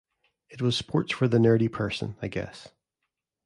It was sports for the nerdy person, I guess.